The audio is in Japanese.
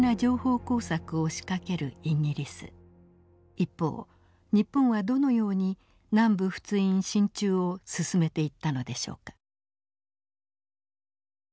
一方日本はどのように南部仏印進駐を進めていったのでしょうか。